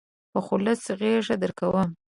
په خلوص غېږ درکړم.